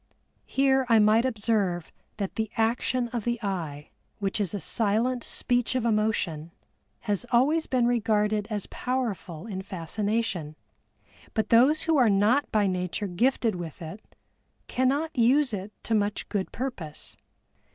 Here I might observe that the action of the eye, which is a silent speech of emotion, has always been regarded as powerful in fascination, but those who are not by nature gifted with it cannot use it to much good purpose.